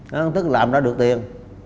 hổng thức làm ra được tiền